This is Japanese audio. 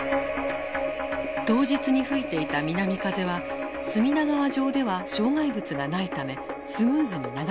当日に吹いていた南風は隅田川上では障害物がないためスムーズに流れていた。